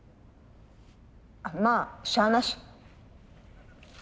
まあしゃあなし。